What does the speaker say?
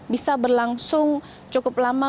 bisa berlangsung cukup lama